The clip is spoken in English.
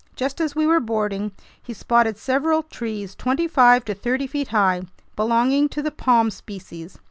Just as we were boarding, he spotted several trees twenty five to thirty feet high, belonging to the palm species.